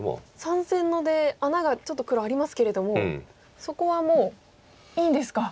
３線の出穴がちょっと黒ありますけれどもそこはもういいんですか。